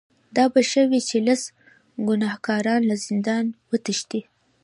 دا به ښه وي چې لس ګناهکاران له زندانه وتښتي.